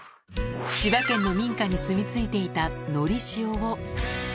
千葉県の民家に住み着いていたのりしおを。